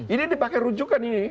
ini dipakai rujukan ini